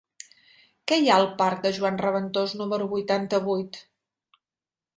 Què hi ha al parc de Joan Reventós número vuitanta-vuit?